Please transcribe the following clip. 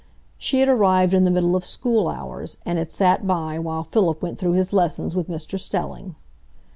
She had arrived in the middle of school hours, and had sat by while Philip went through his lessons with Mr Stelling.